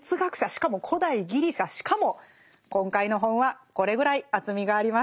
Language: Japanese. しかも古代ギリシャしかも今回の本はこれぐらい厚みがあります。